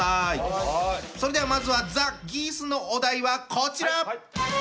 それではまずはザ・ギースのお題はこちら。